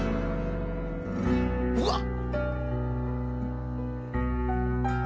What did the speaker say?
「うわっ！」